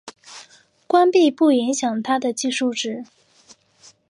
关闭并不影响它的计数值。